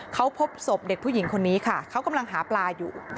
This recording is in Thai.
เขาพบศพเด็กผู้หญิงคนนี้ค่ะเขากำลังหาปลาอยู่